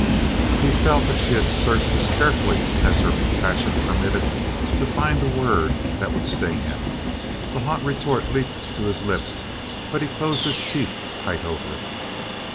He felt that she had searched as carefully as her passion permitted to find a word that would sting him. The hot retort leaped to his lips but he closed his teeth tight over it.